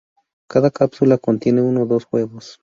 Cada cápsula contiene uno o dos huevos.